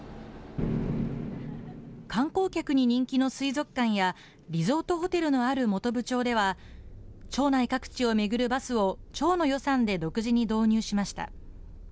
観光客に人気の水族館や、リゾートホテルのある本部町では、町内各地を巡るバスを町の予算で独自に導入しました。